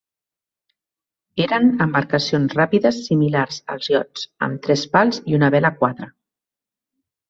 Eren embarcacions ràpides similars als iots, amb tres pals i una vela quadra.